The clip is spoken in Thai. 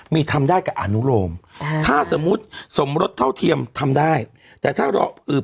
มีทำได้กับอนุโรมอ่าถ้าสมมุติสมรสเท่าเทียมทำได้แต่ถ้าเราเอ่อ